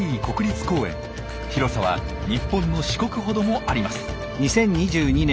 広さは日本の四国ほどもあります。